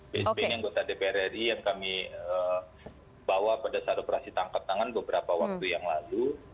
bsb yang kami bawa pada saat operasi tangkap tangan beberapa waktu yang lalu